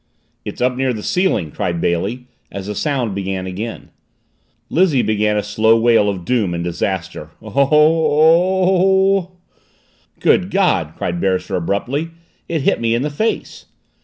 "It's up near the ceiling!" cried Bailey as the sound began again. Lizzie began a slow wail of doom and disaster. "Oh h h h " "Good God!" cried Beresford abruptly. "It hit me in the face!"